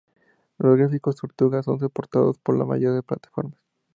Los gráficos tortuga son soportados por la mayoría de plataformas.